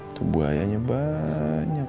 itu buayanya banyak